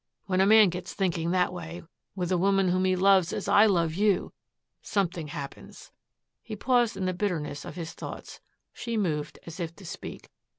When a man gets thinking that way, with a woman whom he loves as I love you something happens." He paused in the bitterness of his thoughts. She moved as if to speak.